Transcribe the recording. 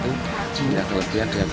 dia punya kelebihan